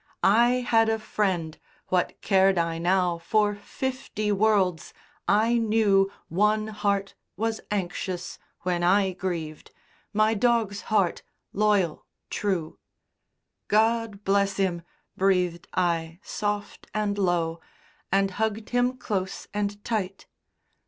I had a friend; what cared I now For fifty worlds? I knew One heart was anxious when I grieved My dog's heart, loyal, true. "God bless him," breathed I soft and low, And hugged him close and tight.